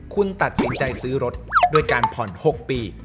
คุณตัดสินใจซื้อรถด้วยการผ่อน๖ปี